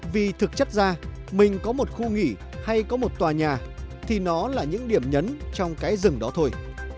vì thực chất ra mình có một khu nghỉ hay có một tòa nhà thì nó là những điểm nhấn trong cái rừng đó thôi